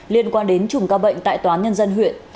liên quan đến trùm ca bệnh tại toán nhân dân huyện